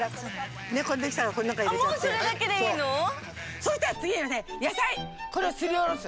そしたらつぎはね野菜これをすりおろす。